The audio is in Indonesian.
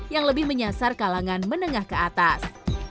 yang lebih menyasar kalangan menengah ke atas